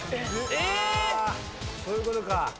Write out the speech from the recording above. あそういうことか。